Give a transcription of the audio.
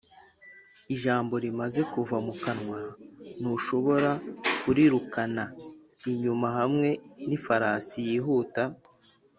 ijambo rimaze kuva mu kanwa, ntushobora kurirukana inyuma hamwe nifarasi yihuta